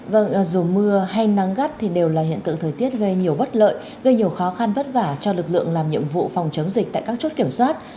vâng dù mưa hay nắng gắt thì đều là hiện tượng thời tiết gây nhiều bất lợi gây nhiều khó khăn vất vả cho lực lượng làm nhiệm vụ phòng chống dịch tại các chốt kiểm soát